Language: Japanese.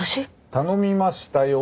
頼みましたよ。